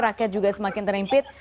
rakyat juga semakin terimpit